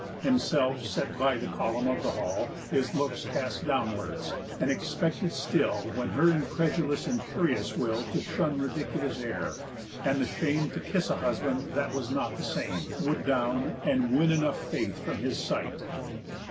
Himself set by the column of the hall, His looks cast downwards, and expected still When her incredulous and curious will To shun ridiculous error, and the shame To kiss a husband that was not the same, Would down, and win enough faith from his sight.